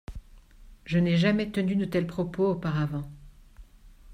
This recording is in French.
Je n'ai jamais tenu de tels propos auparavant.